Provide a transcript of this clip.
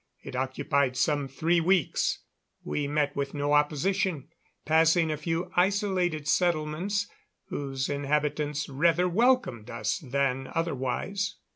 It occupied some three weeks. We met with no opposition, passing a few isolated settlements, whose inhabitants rather welcomed us than otherwise.